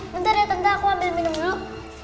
bentar ya tante aku ambil minum dulu